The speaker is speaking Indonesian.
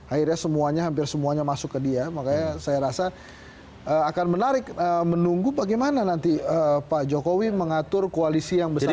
akhirnya semuanya hampir semuanya masuk ke dia makanya saya rasa akan menarik menunggu bagaimana nanti pak jokowi mengatur koalisi yang besar ini